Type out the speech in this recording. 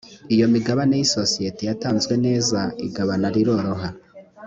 iyo imigabane y’isosiyeti yatanzwe neza igabana riroroha